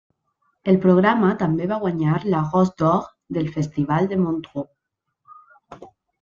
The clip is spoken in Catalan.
El programa també va guanyar la Rose d'Or del Festival de Montreux.